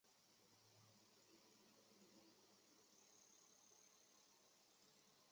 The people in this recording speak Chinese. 糙毛龙胆为龙胆科龙胆属的植物。